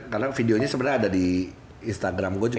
karena videonya sebenernya ada di instagram gue juga